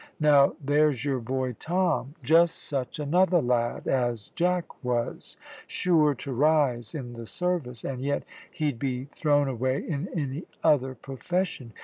Now, there's your boy, Tom, just such another lad as Jack was sure to rise in the service; and yet he'd be thrown away in any other profession.